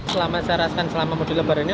selama saya rasakan selama muda lebar ini